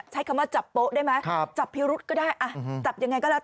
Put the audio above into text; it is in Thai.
ใช้คำว่าจับโป๊ะได้ไหมจับพิรุษก็ได้จับยังไงก็แล้ว